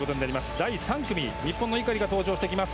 第３組には日本の井狩が登場してきます。